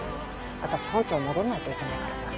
私本庁に戻らないといけないからさ。